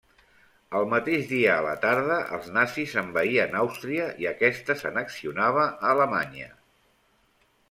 El mateix dia a la tarda els nazis envaïen Àustria i aquesta s'annexionava a Alemanya.